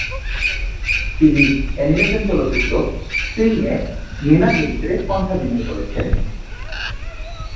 তিনি অ্যানিমেশন চলচ্চিত্র "সিং"-এ মিনা চরিত্রে কন্ঠাভিনয় করেছেন।